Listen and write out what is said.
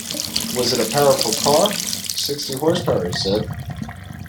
"It was a powerful car?" "Sixty horse-power," he said.